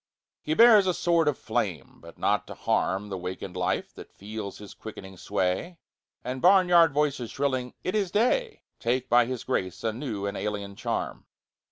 He bears a sword of flame but not to harm The wakened life that feels his quickening sway And barnyard voices shrilling "It is day!" Take by his grace a new and alien charm.